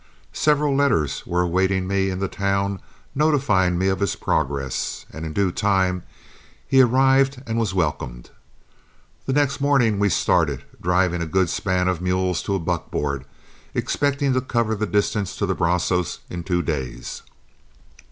Several letters were awaiting me in the town, notifying me of his progress, and in due time he arrived and was welcomed. The next morning we started, driving a good span of mules to a buckboard, expecting to cover the distance to the Brazos in two days.